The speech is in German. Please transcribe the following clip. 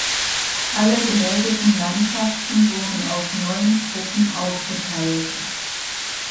Alle gemeldeten Mannschaften wurden auf neun Gruppen aufgeteilt.